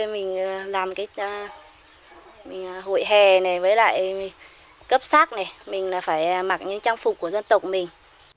mình làm hội hè cấp sắc mình phải mặc những trang phục của dân tộc mình